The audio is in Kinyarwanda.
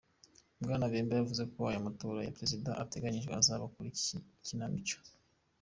Bwana Bemba yavuze ko aya matora ya perezida ateganyijwe azaba ari "ikinamico.